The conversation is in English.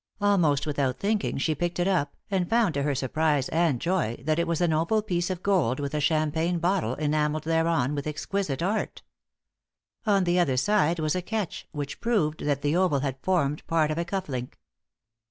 Almost without thinking she picked it up, and found to her surprise and joy that it was an oval piece of gold with a champagne bottle enamelled thereon with exquisite art. On the other side was a catch which proved that the oval had formed part of a cuff link.